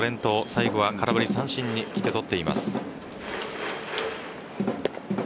最後は空振り三振に切って取っています。